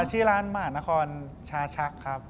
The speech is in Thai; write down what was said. ชื่อร้านหม่าอาณคอนชาชักครับ